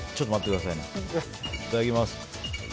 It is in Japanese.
いただきます。